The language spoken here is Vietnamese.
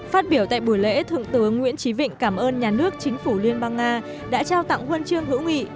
phát biểu tại buổi lễ thượng tướng nguyễn trí vịnh cảm ơn nhà nước chính phủ liên bang nga đã trao tặng huân chương hữu nghị